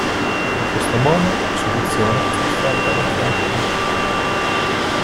In questo modo la soluzione è offerta da chi ha il problema.